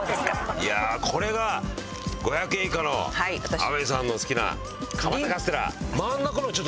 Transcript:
いやあこれが５００円以下の天海さんの好きな蒲田カステラ。